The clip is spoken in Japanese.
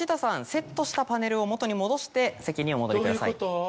セットしたパネルをもとに戻して席にお戻りください。